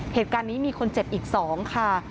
เหตุการณ์นี้มีคนเจ็บอีก๒ค่ะ